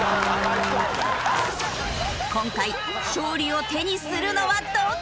今回勝利を手にするのはどっちだ！？